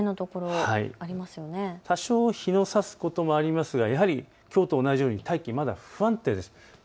多少日のさすこともありますがやはりきょうと同じように大気不安定です。